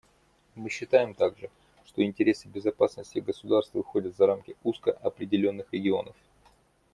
Мы считаем также, что интересы безопасности государств выходят за рамки узко определенных регионов.